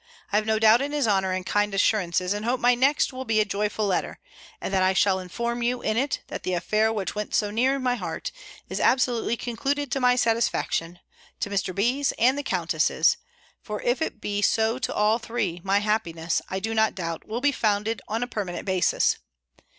I have no doubt in his honour and kind assurances, and hope my next will be a joyful letter; and that I shall inform you in it, that the affair which went so near my heart, is absolutely concluded to my satisfaction, to Mr. B.'s and the Countess's; for if it be so to all three, my happiness, I doubt not, will be founded on a permanent basis.